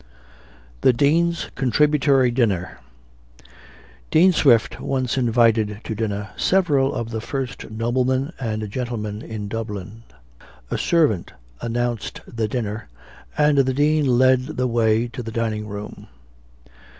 THE DEAN'S CONTRIBUTORY DINNER. Dean Swift once invited to dinner several of the first noblemen and gentlemen in Dublin. A servant announced the dinner, and the Dean led the way to the dining room.